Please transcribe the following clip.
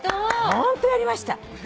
ホントやりました。